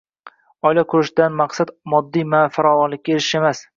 Oila qurishdan maqsad moddiy farovonlikka erishish emas.